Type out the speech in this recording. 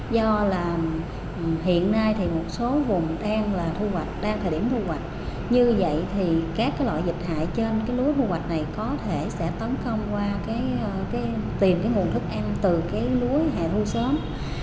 do là hiện nay thì một số vùng đang là thời điểm thu hoạch như vậy thì các loại dịch hại trên lúa thu hoạch này có thể sẽ tấn công qua tìm nguồn thức ăn từ lúa hề thu sớm